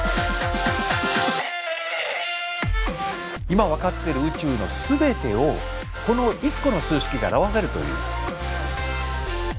今分かってる宇宙のすべてをこの１個の数式で表せるという。